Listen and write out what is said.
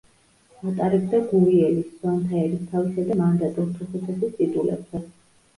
ატარებდა გურიელის, სვანთა ერისთავისა და მანდატურთუხუცესის ტიტულებსაც.